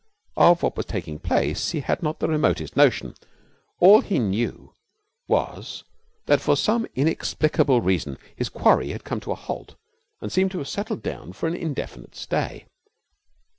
Of what was taking place he had not the remotest notion. All he knew was that for some inexplicable reason his quarry had come to a halt and seemed to have settled down for an indefinite stay.